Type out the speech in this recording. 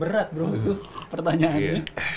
berat bro itu pertanyaannya